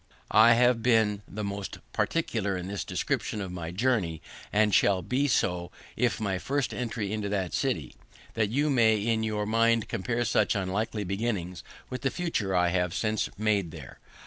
I have been the more particular in this description of my journey, and shall be so of my first entry into that city, that you may in your mind compare such unlikely beginnings with the figure I have since made there.